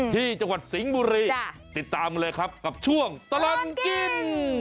ที่จังหวัดสิงห์บุรีติดตามกันเลยครับกับช่วงตลอดกิน